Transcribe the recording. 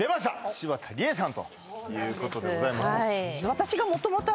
柴田理恵さんということでございます